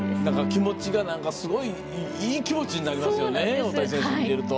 気持ちがいい気持ちになりますよね。